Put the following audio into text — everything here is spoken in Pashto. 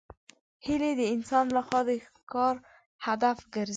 هیلۍ د انسان له خوا د ښکار هدف ګرځي